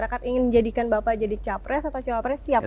masyarakat ingin menjadikan bapak jadi capres atau cawapres siapa